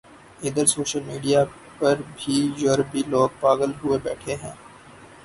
ادھر social media پر بھی یورپی لوگ پاغل ہوئے بیٹھے ہیں